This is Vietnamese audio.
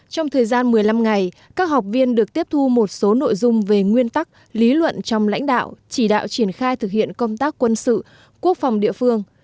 trong thời gian một mươi năm ngày các học viên được tiếp thu một số nội dung về nguyên tắc lý luận trong lãnh đạo chỉ đạo triển khai thực hiện công tác quân sự quốc phòng địa phương